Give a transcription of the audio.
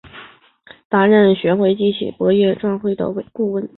曾担任中国人工智能学会机器博弈专业委员会顾问。